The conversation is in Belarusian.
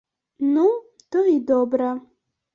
Ну, то і добра.